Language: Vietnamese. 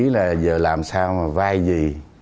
là giờ làm sao vai gì